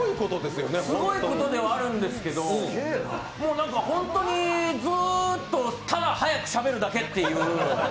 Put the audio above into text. すごいことではあるんですけどもうなんか本当にずっとただ速くしゃべるだけという。